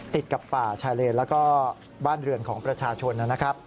ติดกับป่าชายเลนแล้วก็บ้านเรือนของประชาชนนะครับ